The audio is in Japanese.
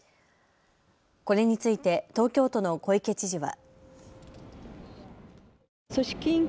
これについて東京都の小池知事は。